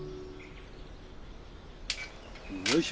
よいしょ！